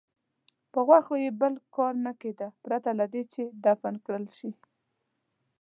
په غوښو یې بل کار نه کېده پرته له دې چې دفن کړل شي.